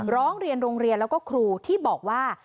ร้องเรียนโรงเรียนแล้วก็ครูที่บอกว่า